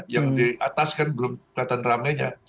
yang di atas kan belum kelihatan rame nya